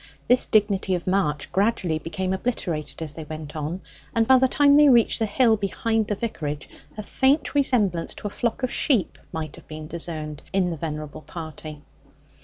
This dignity of march gradually became obliterated as they went on, and by the time they reached the hill behind the vicarage a faint resemblance to a flock of sheep might have been discerned in the venerable party.